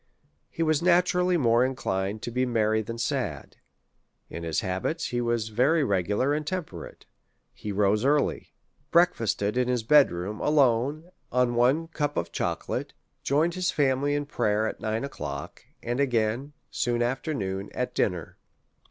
He was naturally more inclined to be merry than sad. In his habits he was very regular and tem perate; he rose early, breakfasted iii his bcd roona XU SOME ACCOUNT OF alone on one cup of chocolate ; joined his family in prayer at nine o'clock,, and again, soon after noon^ at dinner.